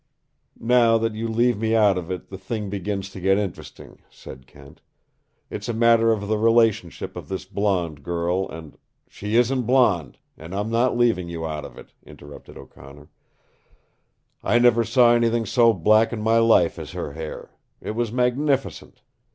"Now, that you leave me out of it, the thing begins to get interesting," said Kent. "It's a matter of the relationship of this blonde girl and " "She isn't blonde and I'm not leaving you out of it," interrupted O'Connor. "I never saw anything so black in my life as her hair. It was magnificent.